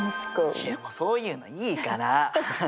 いやそういうのいいから。